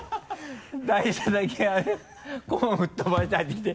台車だけコーン吹っ飛ばして入ってきて。